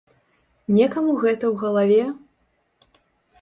Некаму гэта ў галаве?!